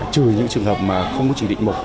trừ những trường hợp mà không có chỉ định một